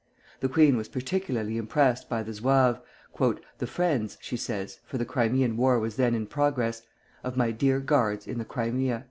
The queen was particularly impressed by the Zouaves, "The friends," she says (for the Crimean War was then in progress), "of my dear Guards in the Crimea."